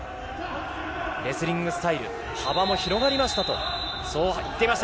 レスリングスタイル、幅も広がりましたと言っていました。